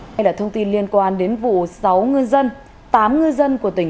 đây là thông tin liên quan đến vụ sáu ngư dân